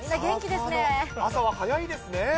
朝は早いですね。